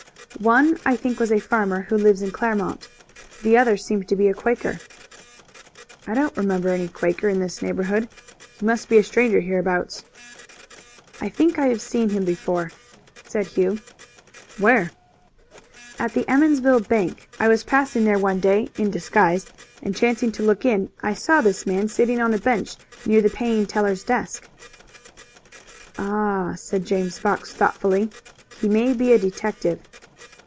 "One I think was a farmer who lives in Claremont. The other seemed to be a Quaker." "I don't remember any Quaker in this neighborhood. He must be a stranger hereabouts." "I think I have seen him before." "Where?" "At the Emmonsville bank. I was passing there one day in disguise and, chancing to look in, I saw this man sitting on a bench near the paying teller's desk." "Ah!" said James Fox, thoughtfully. "He may be a detective."